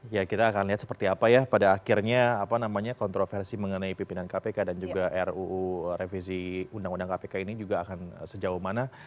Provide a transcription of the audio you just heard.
ya kita akan lihat seperti apa ya pada akhirnya apa namanya kontroversi mengenai pimpinan kpk dan juga ruu revisi undang undang kpk ini juga akan sejauh mana